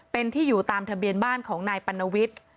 เป็นที่อยู่ตามทะเบียนบ้านของนายปัณวิทย์